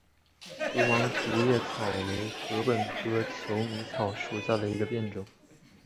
无芒竹叶草为禾本科求米草属下的一个变种。